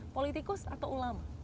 politikus atau ulama